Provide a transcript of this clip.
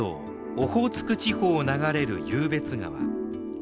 オホーツク地方を流れる湧別川。